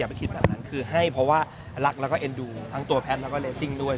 ไปคิดแบบนั้นคือให้เพราะว่ารักแล้วก็เอ็นดูทั้งตัวแพทย์แล้วก็เลซิ่งด้วย